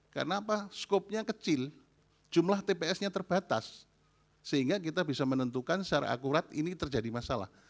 karena skopnya kecil jumlah tpsnya terbatas sehingga kita bisa menentukan secara akurat ini terjadi masalah